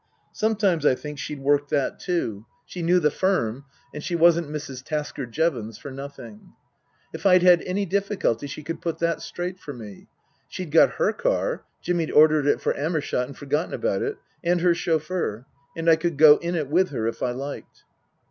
Sometimes I think she'd worked that too ; 280 Tasker Jevons she knew the firm, and she wasn't Mrs. Tasker Jevons for nothing) if I'd had any difficulty she could put that straight for me. She'd got her car Jimmy'd ordered it for Amer shott and forgotten about it and her chauffeur, and I could go in it with her if I liked.